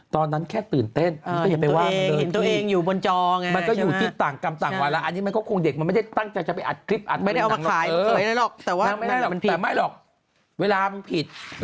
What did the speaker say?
ตอนนั้นแค่ตื่นเต้นเห็นตัวเองอยู่บนจอไง